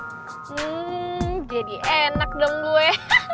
hmm jadi enak dong gue